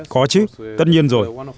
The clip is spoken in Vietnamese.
có chứ tất nhiên rồi